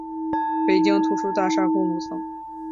北京图书大厦共五层。